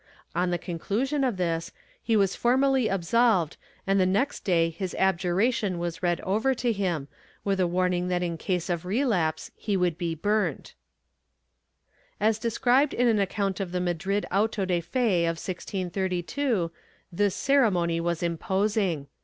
On the conclusion of this, he was formally absolved and the next day his abjuration was read over to him, with a warning that in case of relapse he would be burnt.^ As described in an account of the Madrid auto de fe of 1632, this ceremony was imposing.